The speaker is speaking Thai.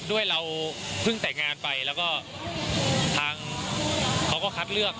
เราเพิ่งแต่งงานไปแล้วก็ทางเขาก็คัดเลือก